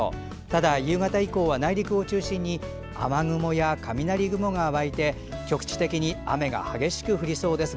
ただ、夕方以降は内陸を中心に雨雲や雷雲が湧いて局地的に雨が激しく降りそうです。